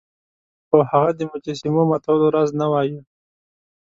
خو هغه د مجسمو ماتولو راز نه وایه.